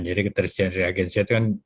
jadi ketersediaan reagensia itu kan